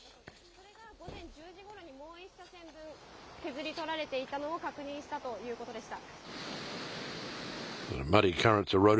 それが午前１０時ごろにもう１車線分、削り取られていったのを確認したということでした。